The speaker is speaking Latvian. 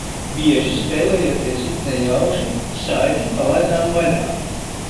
Bieži spēlējoties, it nejauši, saiti palaidām vaļā.